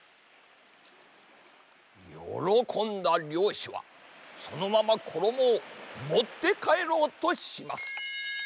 よろこんだりょうしはそのままころもをもってかえろうとします。